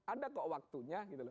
ada kok waktunya gitu loh